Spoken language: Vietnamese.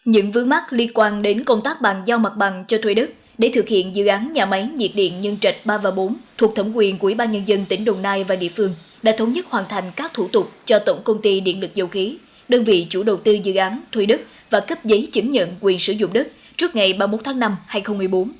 những vướng mắt liên quan đến công tác bằng giao mặt bằng cho thuế đức để thực hiện dự án nhà máy nhiệt điện nhân chạch ba bốn thuộc thẩm quyền quỹ ba nhân dân tỉnh đồng nai và địa phương đã thống nhất hoàn thành các thủ tục cho tổng công ty điện lực dầu khí đơn vị chủ đầu tư dự án thuế đức và cấp giấy chứng nhận quyền sử dụng đất trước ngày ba mươi một tháng năm hai nghìn một mươi bốn